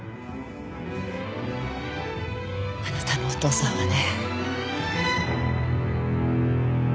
あなたのお父さんはね。